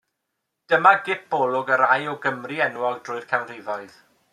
Dyma gipolwg ar rai o Gymry enwog drwy'r canrifoedd.